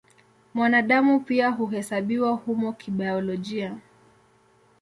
Mwanadamu pia huhesabiwa humo kibiolojia.